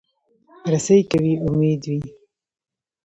رسۍ که وي، امید وي.